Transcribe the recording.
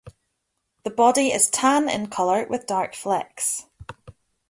The body is tan in color with dark flecks.